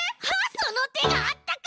そのてがあったか。